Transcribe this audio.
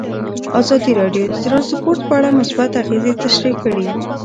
ازادي راډیو د ترانسپورټ په اړه مثبت اغېزې تشریح کړي.